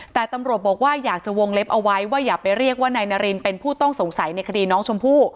แต่ตำรวจบอกว่าอยากจะวงเล็บเอาไว้ว่าอย่าไปเรียกว่านายนารินเป็นผู้ต้องสงสัยในคดีน้องชมพู่